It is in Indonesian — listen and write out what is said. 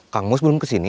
kamus belum kesini